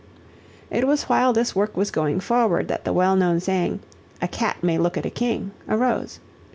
It was while this work was going forward that the well known saying, "A cat may look at a king," arose.